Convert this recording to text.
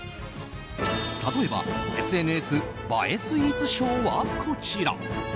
例えばＳＮＳ映えスイーツ賞はこちら。